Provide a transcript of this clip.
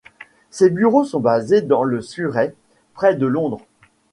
Ses bureaux sont basés dans le Surrey, près de Londres.